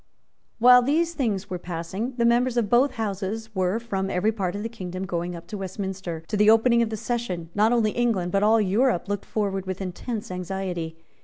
While these things were passing, the members of both Houses were from every part of the kingdom going up to Westminster. To the opening of the session, not only England, but all Europe, looked forward with intense anxiety.